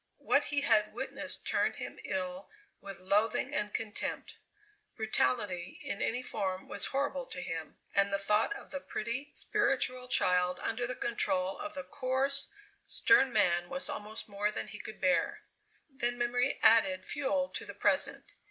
What he had witnessed turned him ill with loathing and contempt. Brutality in any form was horrible to him, and the thought of the pretty, spiritual child under the control of the coarse, stern man was almost more than he could bear. Then memory added fuel to the present.